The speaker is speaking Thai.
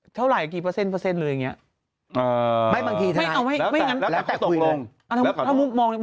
เท่าไรไปกี่พระเซนต์เลยอย่างนี้